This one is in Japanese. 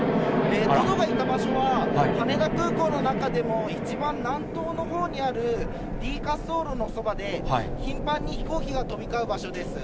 トドがいた場所は、羽田空港の中でも一番南東のほうにあるＤ滑走路のそばで、頻繁に飛行機が飛び交う場所です。